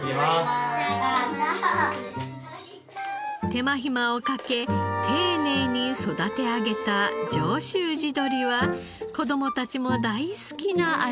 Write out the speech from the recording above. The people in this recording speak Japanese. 手間暇をかけ丁寧に育て上げた上州地鶏は子供たちも大好きな味。